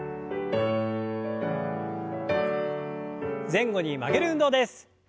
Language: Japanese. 前後に曲げる運動です。